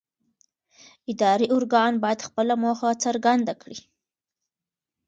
اداري ارګان باید خپله موخه څرګنده کړي.